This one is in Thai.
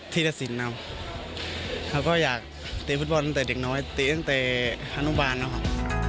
ที่สิ้นแล้วแล้วก็อยากที่พี่ตัวดิกน้อยตีนเผดเชิงบานเหรอย